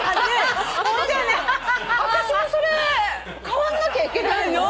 私もそれ変わんなきゃいけないの？って。